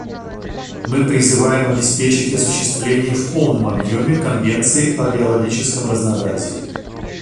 Мы призываем обеспечить осуществление в полном объеме Конвенции о биологическом разнообразии.